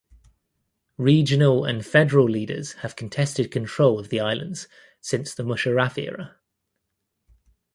Regional and federal leaders have contested control of the islands since the Musharraf era.